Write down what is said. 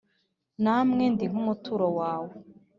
Namwe ndi nk'umuturo wawe